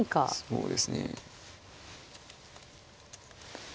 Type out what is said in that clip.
そうですね。